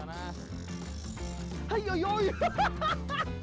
aduh aduh aduh tanah tanah tanah